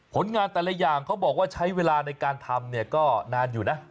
ผลงานแต่ละอย่างเขาบอกว่าใช้เวลาในการทำเนี่ยก็นานอยู่นะ